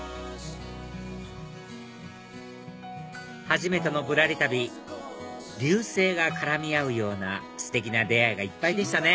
初めての『ぶらり旅』「リュウセイ」が絡み合うようなステキな出会いがいっぱいでしたね